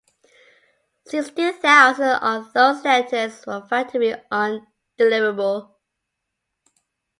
Sixty thousand of those letters were found to be undeliverable.